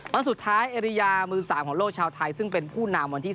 วันสุดท้ายเอริยามือ๓ของโลกชาวไทยซึ่งเป็นผู้นำวันที่๓